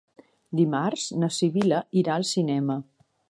Dimarts na Sibil·la irà al cinema.